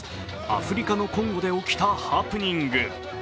アフリカのコンゴで起きたハプニング。